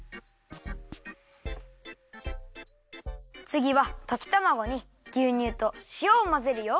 つぎはときたまごにぎゅうにゅうとしおをまぜるよ。